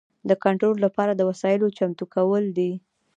د کنټرول لپاره د وسایلو چمتو کول دي.